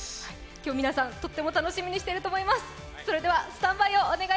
今日皆さん、とっても楽しみにしていると思います。